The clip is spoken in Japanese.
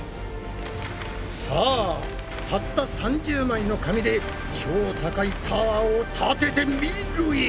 さあたった３０枚の紙で超高いタワーを立ててみろや！